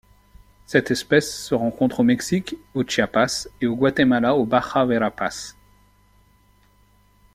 Cette espèce se rencontre au Mexique au Chiapas et au Guatemala au Baja Verapaz.